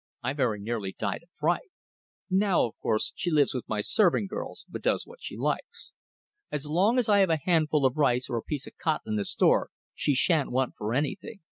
I very nearly died of fright. Now of course she lives with my serving girls, but does what she likes. As long as I have a handful of rice or a piece of cotton in the store she sha'n't want for anything.